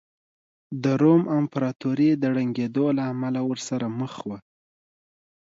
د روم امپراتورۍ د ړنګېدو له امله ورسره مخ وه